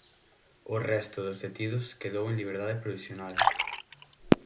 O resto dos detidos quedou en liberdade provisional.